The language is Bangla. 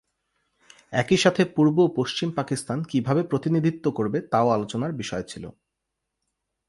একইসাথে পূর্ব ও পশ্চিম পাকিস্তান কিভাবে প্রতিনিধিত্ব করবে তাও আলোচনার বিষয় ছিল।